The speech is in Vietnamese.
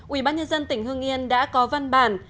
ủy ban nhân dân tỉnh hương yên đã có văn bản